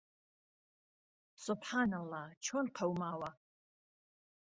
سوبحانەڵڵا چۆن قەوماوە!